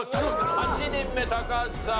８人目高橋さん